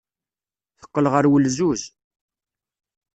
Teqqel ɣer wulzuz.